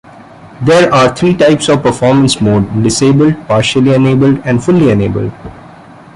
There are three types of Performance Mode: Disabled, Partially enabled, and fully Enabled.